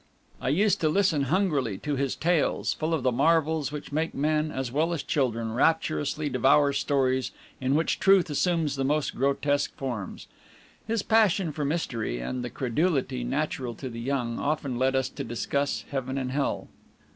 I used to listen hungrily to his tales, full of the marvels which make men, as well as children, rapturously devour stories in which truth assumes the most grotesque forms. His passion for mystery, and the credulity natural to the young, often led us to discuss Heaven and Hell.